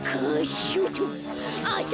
あ！